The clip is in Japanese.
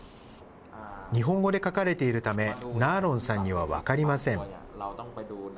日本語で書かれているため、ナーロンさんには分かりません。